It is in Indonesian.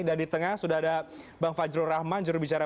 dan di tengah sudah ada bang fajro rahman jurubicara